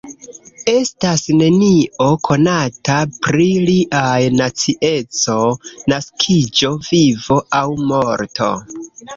Estas nenio konata pri liaj nacieco, naskiĝo, vivo aŭ morto.